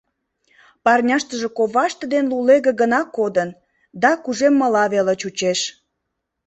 Парняштыже коваште ден лулеге гына кодын да кужеммыла веле чучеш.